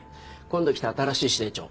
今度来た新しい支店長